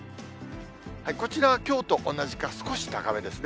こちらはきょうと同じか少し高めですね。